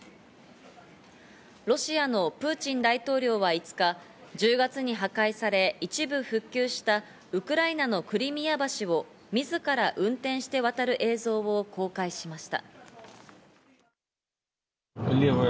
ロシアのプーチン大統領は５日、１０月に破壊され、一部復旧したウクライナのクリミア橋を自ら運転して渡る映像を公開しました。